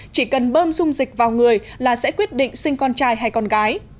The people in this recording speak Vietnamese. chỉ cần bơm dung dịch vào người là sẽ quyết định sinh con trai hay con gái